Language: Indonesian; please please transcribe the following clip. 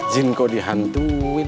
jin kok dihantuin